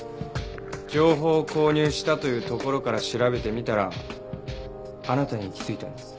情報を購入したというところから調べてみたらあなたに行き着いたんです。